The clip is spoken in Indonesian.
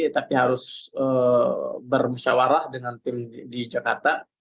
tapi harus bermusyawarah dengan tim di jakarta